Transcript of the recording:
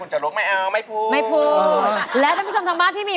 คุณฉะนั้นไม่เอาไม่พูดแล้วท่านผู้ชมทำบ้านที่มี